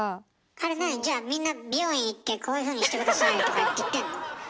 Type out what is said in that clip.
あれ何じゃあみんな美容院行ってこういうふうにして下さいとか言ってんの？